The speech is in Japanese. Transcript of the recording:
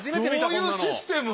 どういうシステム？